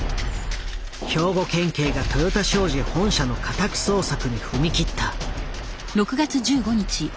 兵庫県警が豊田商事本社の家宅捜索に踏み切った。